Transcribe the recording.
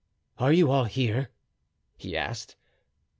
"Are you all here?" he asked.